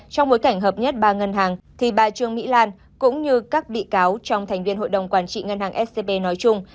trong bối cảnh hợp nhất ba ngân hàng thì bà trương mỹ lan cũng như các bị cáo trong thành viên hội đồng quản trị ngân hàng scb nói chung